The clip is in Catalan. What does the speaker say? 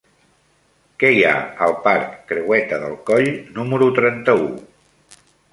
Què hi ha al parc Creueta del Coll número trenta-u?